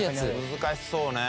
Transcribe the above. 難しそうね。